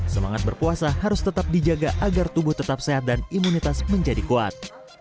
semangat berpuasa harus tetap dijaga agar tubuh tetap sehat dan imunitas menjadi kuat